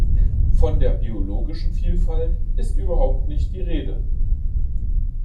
Von der biologischen Vielfalt ist überhaupt nicht die Rede.